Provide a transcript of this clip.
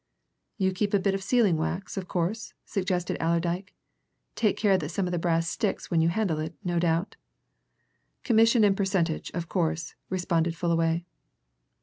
"You keep a bit of sealing wax, of course?" suggested Allerdyke. "Take care that some of the brass sticks when you handle it, no doubt?" "Commission and percentage, of course," responded Fullaway.